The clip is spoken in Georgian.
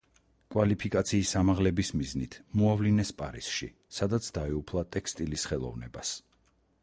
კვალიფიკაციის ამაღლების მიზნით მოავლინეს პარიზში, სადაც დაეუფლა ტექსტილის ხელოვნებას.